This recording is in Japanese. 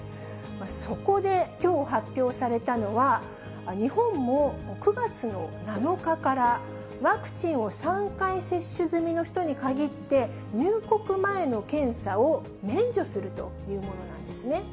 そこで、きょう発表されたのは、日本も９月の７日から、ワクチンを３回接種済みの人に限って、入国前の検査を免除するというものなんですね。